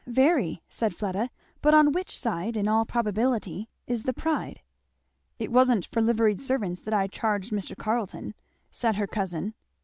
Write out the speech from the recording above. "Very," said Fleda; "but on which side, in all probability, is the pride?" "It wasn't for liveried servants that I charged Mr. Carleton," said her cousin.